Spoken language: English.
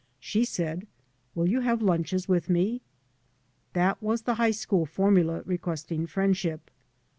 She said, " Will you have lunches with me ?" That was the high school formula requesting friendship.